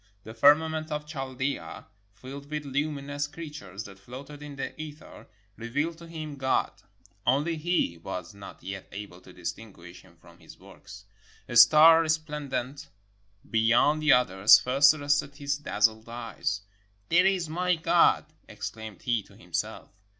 The firmament of Chaldea, filled with lumi nous creatures that floated in the ether, revealed to him God. Only he was not yet able to distinguish him from his works. A star resplendent beyond the others first arrested his dazzled eyes: "There is my God," exclaimed he to himself.